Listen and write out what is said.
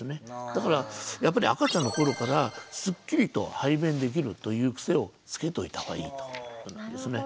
だからやっぱり赤ちゃんの頃からスッキリと排便できるという癖をつけておいた方がいいと思いますね。